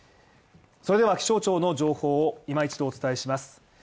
それでは気象庁の情報を、今一度お伝えします。